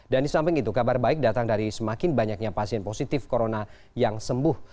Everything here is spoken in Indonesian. dan di samping itu kabar baik datang dari semakin banyaknya pasien positif corona yang sembuh